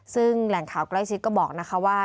ซึ่งแหล่งข่าวใกล้ชิดก็บอกนะคะว่า